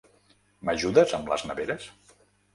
M'ajudes amb les neveres?